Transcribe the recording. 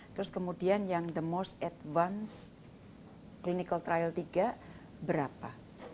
terus kemudian yang the most advance clinical trial tiga berapa